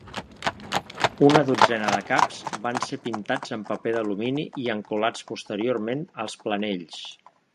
Una dotzena de caps van ser pintats en paper d'alumini i encolats posteriorment als panells.